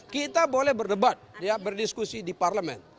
kita boleh berdebat ya berdiskusi di parlemen